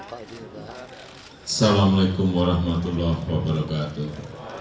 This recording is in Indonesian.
assalamualaikum warahmatullahi wabarakatuh